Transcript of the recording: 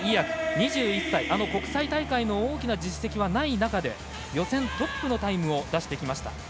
２１歳、国際大会の大きな実績はない中で予選トップのタイムを出してきました。